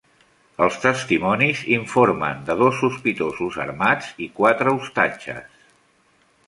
Els testimonis informen de dos sospitosos armats i quatre ostatges.